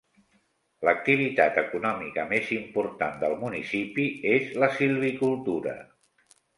L'activitat econòmica més important del municipi és la silvicultura.